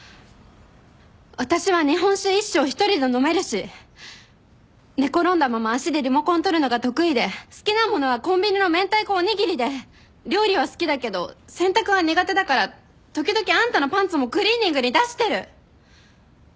私は日本酒一升１人で飲めるし寝転んだまま足でリモコン取るのが得意で好きな物はコンビニのめんたいこおにぎりで料理は好きだけど洗濯は苦手だから時々あんたのパンツもクリーニングに出してる。